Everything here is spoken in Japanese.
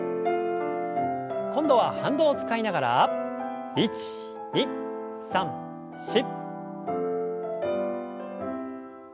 今度は反動を使いながら１２３４！